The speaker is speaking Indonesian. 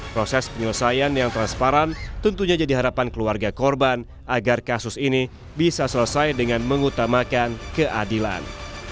proses penyelesaian yang transparan tentunya jadi harapan keluarga korban agar kasus ini bisa selesai dengan mengutamakan keadilan